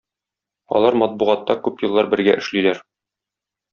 Алар матбугатта күп еллар бергә эшлиләр.